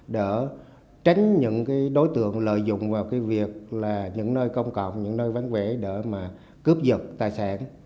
để tránh những đối tượng lợi dụng vào những nơi công cộng quán vẽ để cướp dựng tài sản